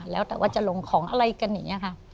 แล้วแต่ว่าจะลงของอะไรกันเนี่ยค่ะ